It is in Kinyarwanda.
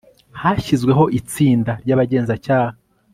hashyizweho itsinda ry' abagenzacyaha